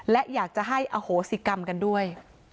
และอยากจะให้อโหสิกรรมกันด้วย